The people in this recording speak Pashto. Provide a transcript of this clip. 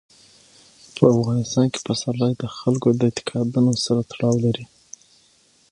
په افغانستان کې پسرلی د خلکو د اعتقاداتو سره تړاو لري.